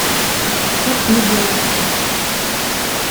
Ad aɣ-ten-id-yawi azekka.